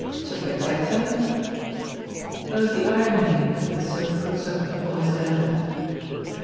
"To protect her?" There was the irony in it that so puts up a boy's dander.